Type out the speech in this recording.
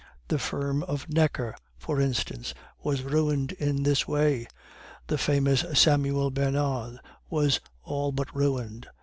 The firm of Necker, for instance, was ruined in this way; the famous Samuel Bernard was all but ruined.